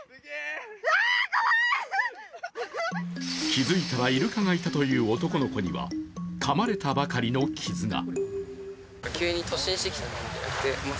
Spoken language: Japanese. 気づいたらイルカがいたという男の子にはかまれたばかりの傷が。